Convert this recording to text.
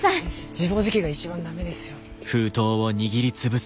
自暴自棄が一番駄目ですよ。